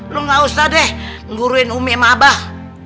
lu enggak usah deh nguruin umi sama abah